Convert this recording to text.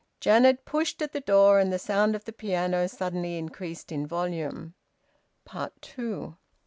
Janet pushed at the door, and the sound of the piano suddenly increased in volume. TWO.